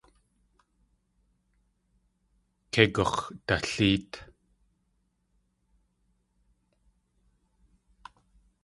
Kei gux̲daléet.